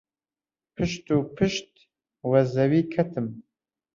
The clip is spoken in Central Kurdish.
پشت و پشت وە زەوی کەتم.